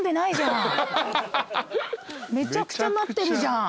めちゃくちゃなってるじゃん。